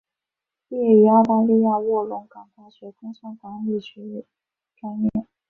毕业于澳大利亚卧龙岗大学工商管理学专业。